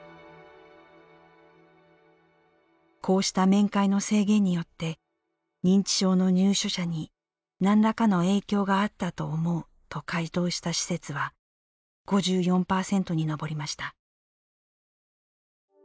こうした面会の制限によって認知症の入所者になんらかの影響があったと思うと回答した施設は５４％に上りました。